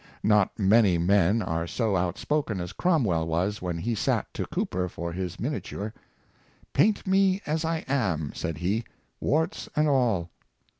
Not many men are so out spoken as Cromwell was when he sat to Cooper for his miniature: "Paint me as I am," said he, "warts and all."